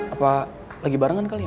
apa lagi barengan kali